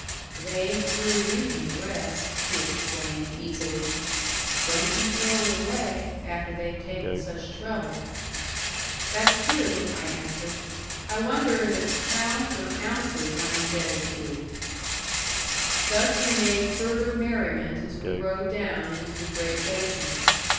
"They ain't through readin' the rest," he explained easily. "Don't you throw it away! After they've taken such trouble." "That's true," I answered. "I wonder if it's Pounds or Ounces I'm indebted to." Thus we made further merriment as we rode down into the great basin.